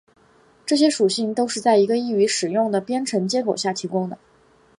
这些属性都是在一个易于使用的编程接口下提供的。